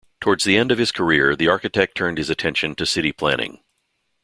Towards the end of his career the architect turned his attention to city planning.